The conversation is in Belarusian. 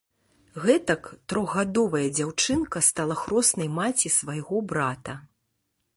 Гэтак трохгадовая дзяўчынка стала хроснай маці свайго брата.